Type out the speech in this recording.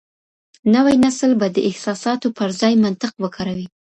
نوی نسل به د احساساتو پر ځای منطق وکاروي.